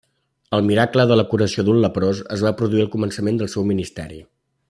El miracle de la curació d'un leprós es va produir al començament del seu ministeri.